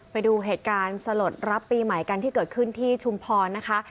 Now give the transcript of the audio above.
ไปดูเหตุการณ์สลดรับปีใหม่กันที่เกิดขึ้นที่ชุมพรนะคะ